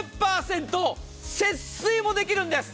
節水もできるんです。